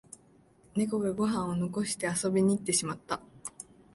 ネコがご飯を残して遊びに行ってしまった